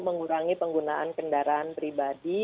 mengurangi penggunaan kendaraan pribadi